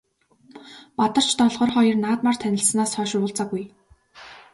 Бадарч Долгор хоёр наадмаар танилцсанаас хойш уулзаагүй.